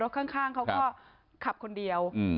ข้างเขาก็ขับคนเดียว